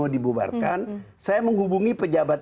dibubarkan saya menghubungi pejabat